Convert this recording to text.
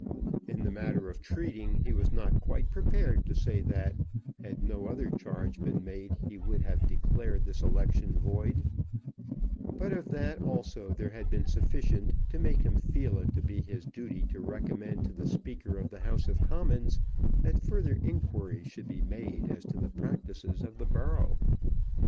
In the matter of treating he was not quite prepared to say that had no other charge been made he should have declared this election void, but of that also there had been sufficient to make him feel it to be his duty to recommend to the Speaker of the House of Commons that further inquiry should be made as to the practices of the borough.